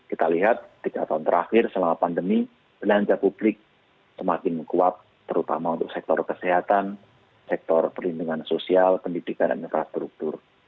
kita lihat tiga tahun terakhir selama pandemi belanja publik semakin kuat terutama untuk sektor kesehatan sektor perlindungan sosial pendidikan dan infrastruktur